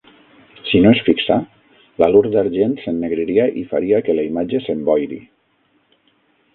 Si no es fixa, l'halur d'argent s'ennegriria i faria que la imatge s'emboiri.